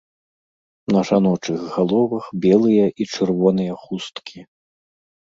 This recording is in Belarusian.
На жаночых галовах белыя і чырвоныя хусткі.